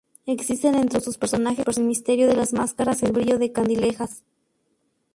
Existe entre sus personajes el misterio de las máscaras y el brillo de candilejas.